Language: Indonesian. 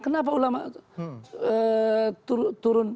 kenapa ulama turun